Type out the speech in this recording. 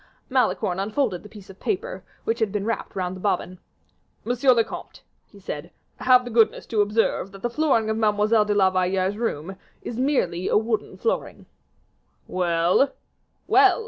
Malicorne unfolded the piece of paper which had been wrapped round the bobbin. "Monsieur le comte," he said, "have the goodness to observe that the flooring of Mademoiselle de la Valliere's room is merely a wooden flooring." "Well?" "Well!